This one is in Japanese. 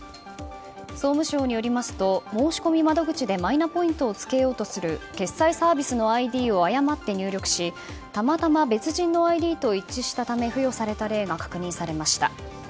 総務省によりますと申し込み窓口でマイナポイントをつけようとする決済サービスのＩＤを誤って入力したまたま別人のＩＤと一致したため付与された例が確認されました。